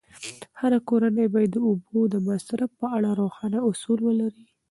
هره کورنۍ باید د اوبو د مصرف په اړه روښانه اصول ولري.